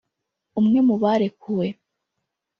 umwe mu barekuwe